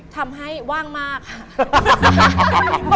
ทำให้ว่างมากค่ะ